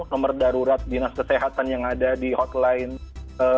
nomor darurat dinas kesehatan yang ada di hotline